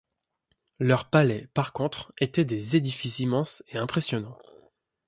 Leurs palais, par contre, étaient des édifices immenses et impressionnants.